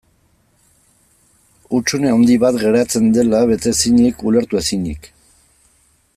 Hutsune handi bat geratzen dela bete ezinik, ulertu ezinik.